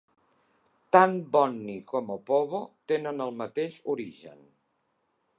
Tant Bonny com Opobo tenen el mateix origen.